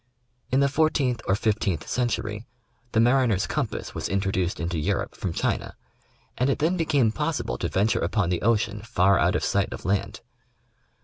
In the fourteenth or fifteenth century, the mariner's compass was introduced into Europe from China, and it then became possible to venture upon the ocean far out of sight of land.